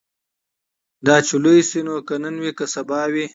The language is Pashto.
دا چي لوی سي نو که نن وي که سبا وي